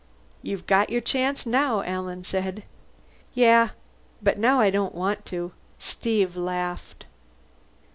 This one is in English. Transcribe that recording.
"You've got your chance now," Alan said. "Yeah. But now I don't want to," Steve laughed.